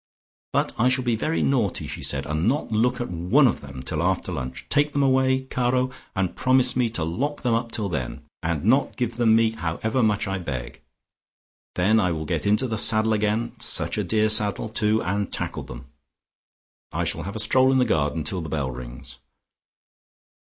"But I shall be very naughty," she said "and not look at one of them till after lunch. Take them away, Caro, and promise me to lock them up till then, and not give them me however much I beg. Then I will get into the saddle again, such a dear saddle, too, and tackle them. I shall have a stroll in the garden till the bell rings.